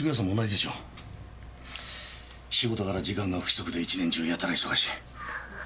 仕事柄時間が不規則で一年中やたら忙しい。